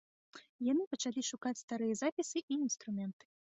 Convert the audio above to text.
Яны пачалі шукаць старыя запісы і інструменты.